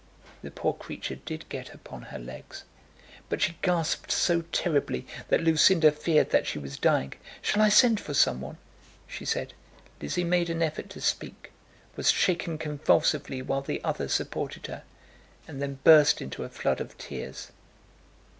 The poor creature did get upon her legs, but she gasped so terribly that Lucinda feared that she was dying. "Shall I send for some one?" she said. Lizzie made an effort to speak, was shaken convulsively while the other supported her, and then burst into a flood of tears.